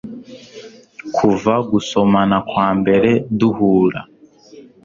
kuva gusomana kwambere duhura